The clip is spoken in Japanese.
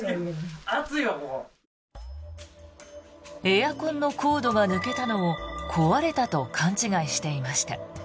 エアコンのコードが抜けたのを壊れたと勘違いしていました。